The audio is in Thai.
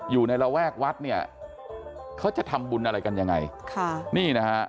อยู่ในระแวกวัดเนี่ยเขาจะทำบุญอะไรกันยังไงค่ะนี่นะฮะ